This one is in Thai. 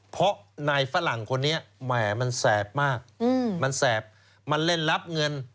เพราะนายฝรั่งคนนี้แหมมันแสบมากมันแสบมันเล่นรับเงิน